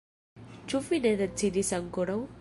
Ĉu vi ne decidis ankoraŭ?